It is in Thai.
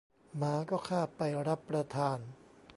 หมาก็คาบไปรับประทาน